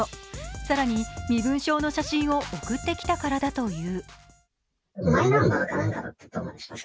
更に身分証の写真を送ってきたからだという。